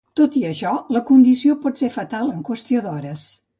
Tot i això, la condició pot ser fatal en qüestió d'hores.